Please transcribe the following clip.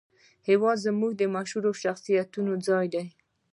هېواد زموږ د مشهورو شخصیتونو ځای دی